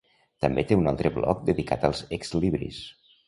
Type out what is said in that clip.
També té un altre bloc dedicat als exlibris.